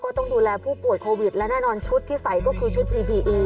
คำว่าคนไข้สำคัญกว่ามันก็ต้องสู้กันทุกวินาทีอาชีพนี้ไม่ได้ทำไปเพราะมันคือหน้าที่เพียงอย่างเดียว